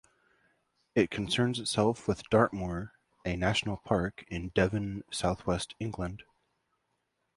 It concerns itself with Dartmoor, a National Park in Devon, south-west England.